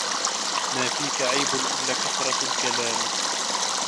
مَا فِيك عَيْبٌ إلَّا كَثْرَةُ الْكَلَامِ